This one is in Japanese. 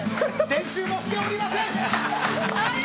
練習もしておりません。